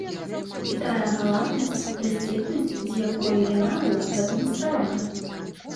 І тая галантнасць, дасціпнасць, з якою яна была прадэманстравана.